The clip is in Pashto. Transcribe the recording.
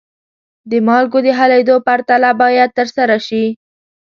د مالګو د حلیدو پرتله باید ترسره شي.